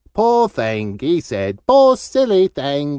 'Poor thing,' he said, 'poor silly thing!